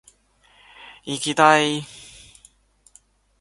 いぎだい！！！！